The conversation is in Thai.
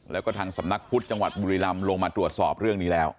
แล้วก็ทางสำนักพุทธจังหวัดบุรีรำลงมาตรวจสอบเรื่องนี้แล้ว